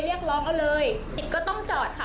เรียกร้องเอาเลยอิตก็ต้องจอดค่ะ